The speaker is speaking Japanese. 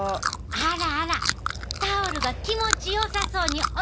あらあらタオルが気持ちよさそうに泳いでるやん！